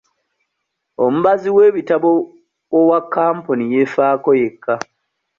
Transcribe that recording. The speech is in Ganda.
Omubazi w'ebitabo owa kampuni yeefaako yekka.